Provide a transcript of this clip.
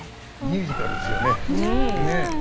ミュージカルですよねねえ。